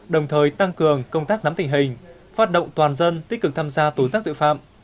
đồng thời tăng cường công tác nắm tình hình phát động toàn dân tích cực tham gia tố giác tội phạm